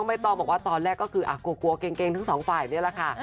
เพราะว่าตอนแรกก็คือกลัวเกร็งทั้งสองฝ่ายนี้แหละค่ะ